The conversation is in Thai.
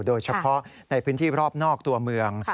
โดยเฉพาะในพื้นที่รอบนอกตัวเมือง